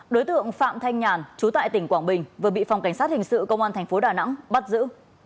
đối tượng phạm thanh nhàn chú tại tỉnh quảng bình vừa bị phòng cảnh sát hình sự công an thành phố đà nẵng bắt giữ